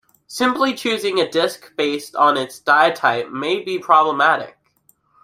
Simply choosing a disc based on its dye type may be problematic.